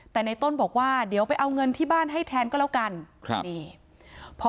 แต่ในต้นบอกว่าเดี๋ยวไปเอาเงินที่บ้านให้แทนก็แล้วกันครับนี่พอ